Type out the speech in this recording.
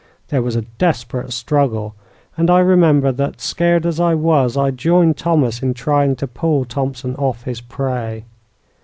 There was a desperate struggle, and I remember that, scared as I was, I joined Thomas in trying to pull Thompson off his prey.